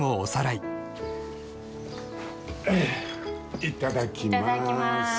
いただきます。